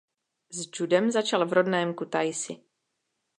S judem začal v rodném Kutaisi.